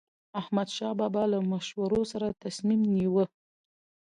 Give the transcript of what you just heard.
احمدشاه بابا به له مشورو سره تصمیم نیوه.